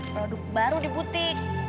produk baru di butik